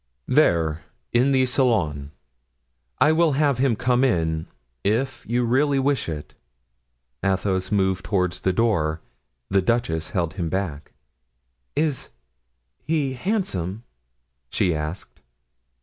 "There, in the salon. I will have him come in, if you really wish it." Athos moved toward the door; the duchess held him back. "Is he handsome?" she asked.